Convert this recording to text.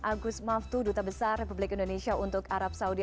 agus maftu duta besar republik indonesia untuk arab saudi